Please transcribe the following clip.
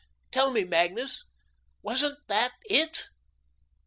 Tell me, Magnus, wasn't that it?"